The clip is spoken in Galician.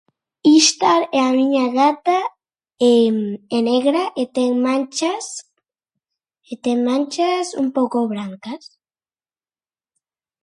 Ixtar é a miña gata, é negra e ten manchas, e ten manchas un pouco brancas.